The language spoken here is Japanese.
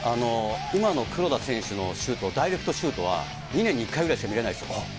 今の黒田選手のシュート、ダイレクトシュートは、２年に１回ぐらいしか見れないんですよ。